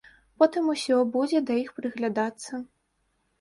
Потым усё будзе да іх прыглядацца.